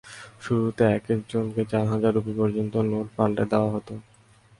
শুরুতে একেক জনকে চার হাজার রুপি পর্যন্ত নোট পাল্টে দেওয়া হতো।